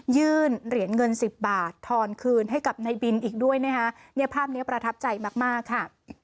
ยื่นเหรียญเงินสิบบาททอนคืนให้กับนายบินอีกด้วยนะคะเนี่ยภาพนี้ประทับใจมากมากค่ะ